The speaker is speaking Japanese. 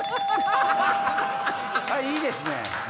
いいですね！